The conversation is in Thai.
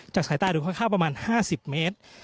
จากสายตาดูค่าประมาณ๕๐เมตร